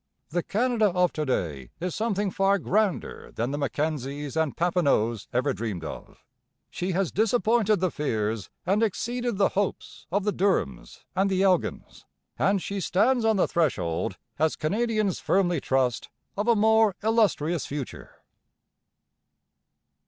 The Canada of to day is something far grander than the Mackenzies and Papineaus ever dreamed of; she has disappointed the fears and exceeded the hopes of the Durhams and the Elgins; and she stands on the threshold, as Canadians firmly trust, of a more illustrious future.